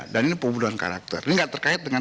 dan ini pembunuhan karakter ini tidak terkait dengan